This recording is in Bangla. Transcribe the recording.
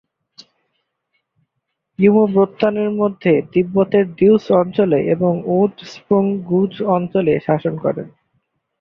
য়ুম-ব্র্তান মধ্য তিব্বতের দ্বুস অঞ্চল এবং ওদ-স্রুং গুজ অঞ্চলে শাসন করেন।